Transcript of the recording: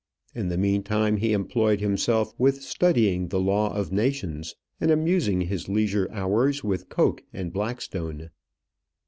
In the meantime, he employed himself with studying the law of nations, and amused his leisure hours with Coke and Blackstone.